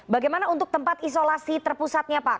bagaimana untuk tempat isolasi terpusatnya pak